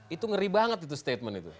itu ngeri banget itu statement itu